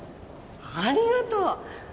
ありがとう。